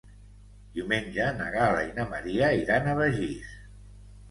Diumenge na Gal·la i na Maria iran a Begís.